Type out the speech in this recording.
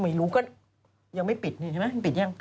ไม่รู้ก็ยังไม่ปิดนี่ใช่ไหมปิดยัง